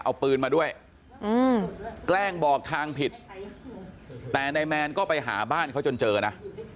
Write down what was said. เอาปืนมาด้วยแกล้งบอกทางผิดแต่นายแมนก็ไปหาบ้านเขาจนเจอนะ